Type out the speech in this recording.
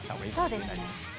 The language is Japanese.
そうですね。